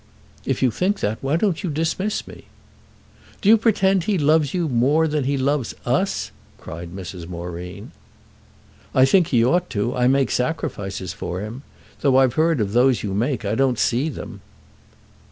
"If you think that, why don't you dismiss me?" "Do you pretend he loves you more than he loves us?" cried Mrs. Moreen. "I think he ought to. I make sacrifices for him. Though I've heard of those you make I don't see them."